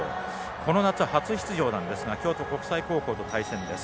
この夏、初出場なんですが京都国際高校と対戦です。